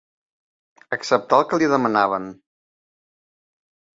Acceptà el que li demanaven.